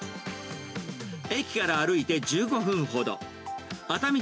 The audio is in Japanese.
駅から歩いて１５分ほど。